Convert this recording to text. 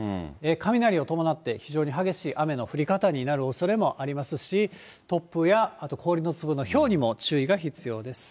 雷を伴って、非常に激しい雨の降り方になるおそれもありますし、突風や、あと氷の粒のひょうにも注意が必要です。